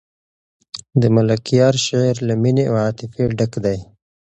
د ملکیار شعر له مینې او عاطفې ډک دی.